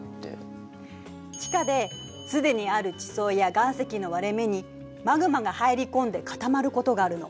地下ですでにある地層や岩石の割れ目にマグマが入り込んで固まることがあるの。